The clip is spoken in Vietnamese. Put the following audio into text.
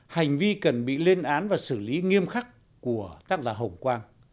hành vi cần bị lên án và xử lý nghiêm khắc của tác giả hồng quang